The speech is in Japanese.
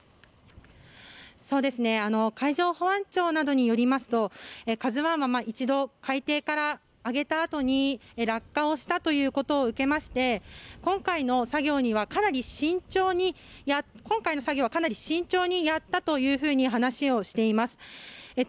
海上保安庁などによりますと「ＫＡＺＵ１」は一度、海底から揚げたあとに落下をしたということを受けまして今回の作業はかなり慎重にやったと話をしています。